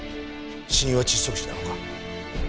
死因は窒息死なのか？